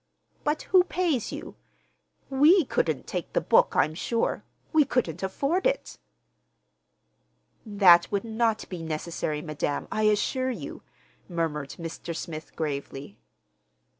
"But who pays you? we couldn't take the book, I'm sure. We couldn't afford it." "That would not be necessary, madam, I assure you," murmured Mr. Smith gravely.